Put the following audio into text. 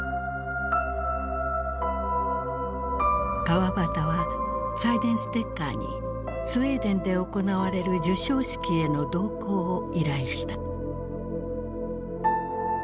川端はサイデンステッカーにスウェーデンで行われる授賞式への同行を依頼した。